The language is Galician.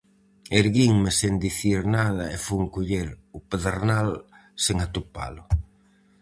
Erguinme sen dicir nada e fun coller o pedernal sen atopalo.